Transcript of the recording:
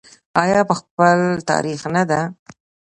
آیا په خپل تاریخ نه ده؟